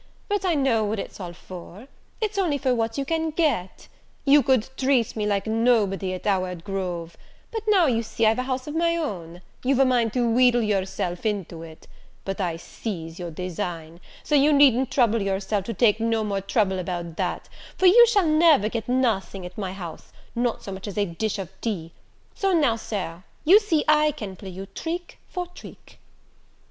but I know what it's all for! it's only for what you can get! You could treat me like nobody at Howard Grove; but now you see I've a house of my own, you're mind to wheedle yourself into it; but I sees your design, so you needn't trouble yourself to take no more trouble about that, for you shall never get nothing at my house, not so much as a dish of tea: so now, Sir, you see I can play you trick for trick."